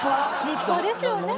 立派ですよね。